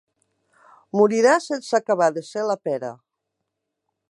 Morirà sense acabar de ser la pera.